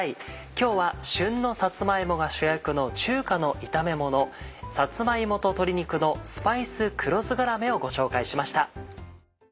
今日は旬のさつま芋が主役の中華の炒めもの「さつま芋と鶏肉のスパイス黒酢がらめ」をご紹介しました。